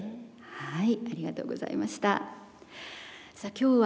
はい。